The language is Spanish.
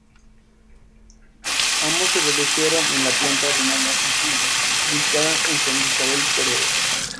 Ambos se produjeron en la planta de Renault Argentina ubicada en Santa Isabel, Córdoba.